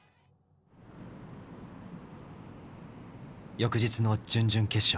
翌日の準々決勝。